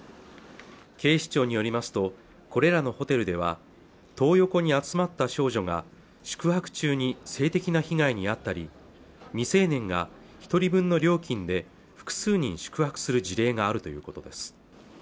警視庁によりますとこれらのホテルではトー横に集まった少女が宿泊中に性的な被害にあったり未成年が一人分の料金で複数人宿泊する事例があるということです